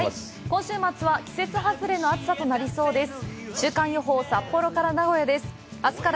今週末は季節外れの暑さとなりそうです。